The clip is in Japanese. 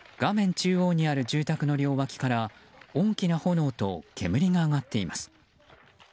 中央にある住宅の両脇から大きな炎と煙が上がっています。